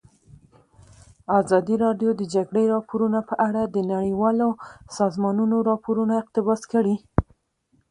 ازادي راډیو د د جګړې راپورونه په اړه د نړیوالو سازمانونو راپورونه اقتباس کړي.